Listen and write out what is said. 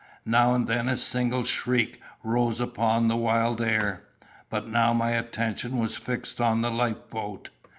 Now and then a single shriek rose upon the wild air. But now my attention was fixed on the life boat.